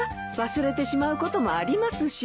忘れてしまうこともありますし。